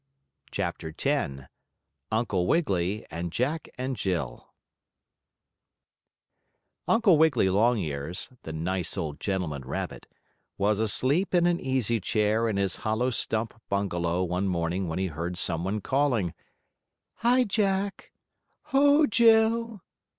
CHAPTER X UNCLE WIGGILY AND JACK AND JILL Uncle Wiggily Longears, the nice old gentleman rabbit, was asleep in an easy chair in his hollow stump bungalow one morning when he heard some one calling: "Hi, Jack! Ho, Jill!